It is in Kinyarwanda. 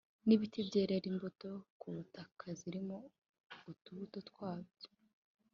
n’ibiti byerere imbuto ku butaka zirimo utubuto twabyo